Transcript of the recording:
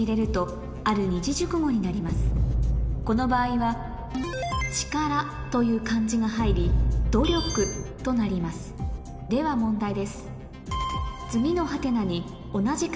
この場合は「力」という漢字が入り「努力」となりますでは問題です